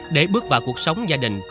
để bước vào cuộc sống gia đình